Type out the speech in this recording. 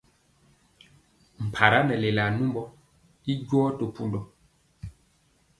Mpara nɛ lelaa numbɔ i jɔ to pundɔ.